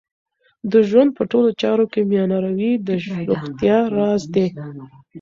د ژوند په ټولو چارو کې میانه روی د روغتیا راز دی.